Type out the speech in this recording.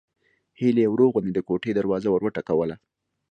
هيلې يې ورو غوندې د کوټې دروازه وروټکوله